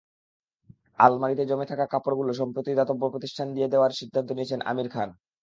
আলমারিতে জমে থাকা কাপড়গুলো সম্প্রতি দাতব্যপ্রতিষ্ঠানে দিয়ে দেওয়ারই সিদ্ধান্ত নিয়েছেন আমির খান।